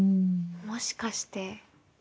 もしかして。